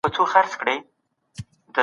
خپله دوراني پانګه په سم ځای کي وکاروئ.